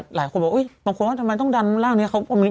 หลายคนบอกบางคนว่าทำไมต้องดันร่างนี้